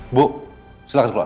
ibu silahkan keluar